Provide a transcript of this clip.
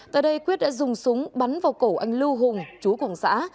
tại đây quyết đã dùng súng bắn vào cổ anh lưu hùng chú quảng xã